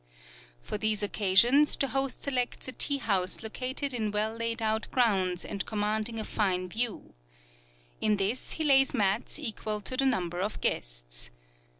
For these occasions the host selects a tea house located in well laid out grounds and commanding a fine view. In this he lays mats equal to the number of guests.